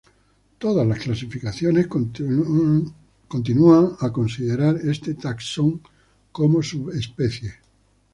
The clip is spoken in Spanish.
Todas las clasificaciones continúan a considerar este taxón como subespecie.